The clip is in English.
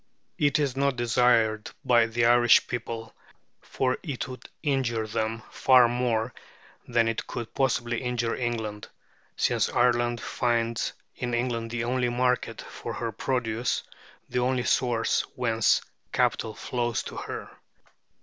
It is not desired by the Irish people, for it would injure them far more than it could possibly injure England, since Ireland finds in England the only market for her produce, the only source whence capital flows to her.